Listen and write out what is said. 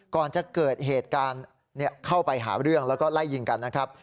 ก่อนจะเกิดเหตุการณ์เข้าไปหาเรื่องแล้วก็ไล่ยิงกันนะครับ